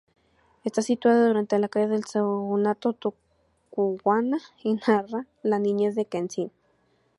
Está situada durante la caída del shogunato Tokugawa y narra la niñez de Kenshin.